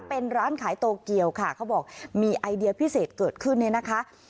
เป็นร้านขายโตเกียวค่ะเขาบอกมีไอเดียพิเศษเกิดขึ้นเนี่ยนะคะ